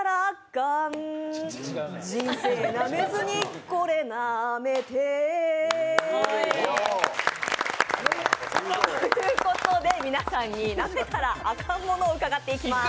人生なめずにこれなめてということで皆さんになめたらアカンものを伺っていきます。